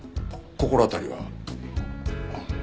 心当たりは？あっ。